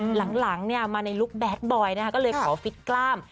หลังมาในลุคแดดบอยนะคะก็เลยขอฟิตกล้าม